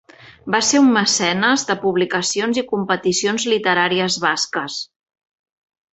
Va ser un mecenes de publicacions i competicions literàries basques.